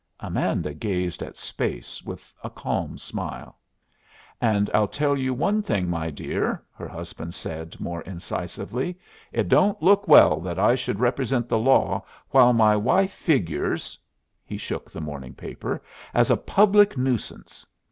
Amanda gazed at space with a calm smile. "And I'll tell you one thing, my dear," her husband said, more incisively, "it don't look well that I should represent the law while my wife figures" (he shook the morning paper) "as a public nuisance.